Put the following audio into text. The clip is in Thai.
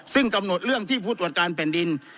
ซึ่งกำหนดเรื่องที่ผู้ตรวจการแผ่นดิน